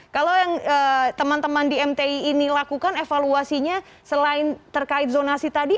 kalau yang teman teman di mti ini lakukan evaluasinya selain terkait zonasi tadi